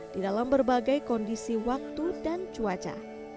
di dalam berbagai kondisi waktu dan cuaca